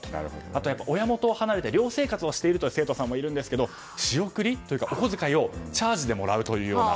あとは親元を離れて寮生活をしているという生徒さんもいるんですが仕送りというか、お小遣いをチャージでもらうというような。